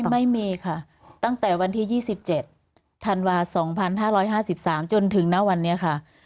ไม่มีค่ะตั้งแต่วันที่๒๗ธันวา๒๕๕๓จนถึงณวันนี้ค่ะ